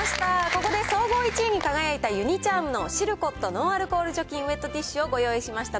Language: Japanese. ここで総合１位に輝いたユニ・チャームのシルコットノンアルコール除菌ウェットティッシュをご用意しました。